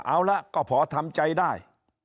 เอาละก็พอทำใจได้